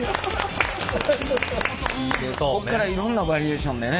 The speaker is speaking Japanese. ここからいろんなバリエーションでね